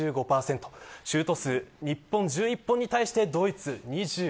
シュート数、日本１１に対してドイツは２５。